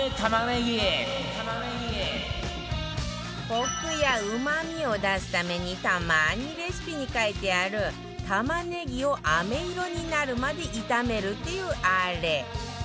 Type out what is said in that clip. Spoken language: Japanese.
コクやうまみを出すためにたまにレシピに書いてある玉ねぎをあめ色になるまで炒めるっていうあれ